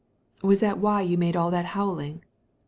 Was that why you made all that howling